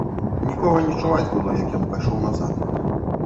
Нікога не чуваць было, як ён пайшоў назад.